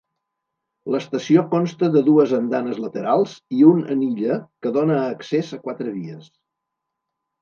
L'estació consta de dues andanes laterals i un en illa que dona accés a quatre vies.